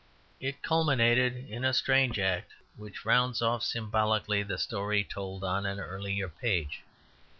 It culminated in a strange act which rounds off symbolically the story told on an earlier page.